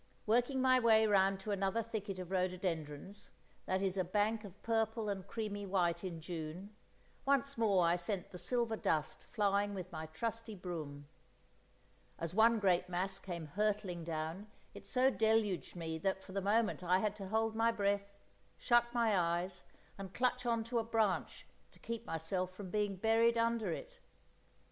Working my way round to another thicket of rhododendrons, that is a bank of purple and creamy white in June, once more I sent the silver dust flying with my trusty broom. As one great mass came hurtling down, it so deluged me that for the moment I had to hold my breath, shut my eyes, and clutch on to a branch to keep myself from being buried under it.